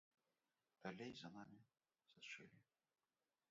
Далей за намі сачылі.